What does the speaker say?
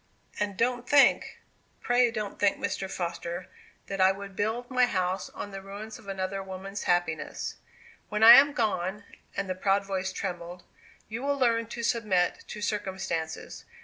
And don't think pray don't think, Mr. Foster, that I would build my house on the ruins of another woman's happiness! When I am gone," and the proud voice trembled, "you will learn to submit to circumstances.